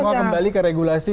jadi semua kembali ke regulasi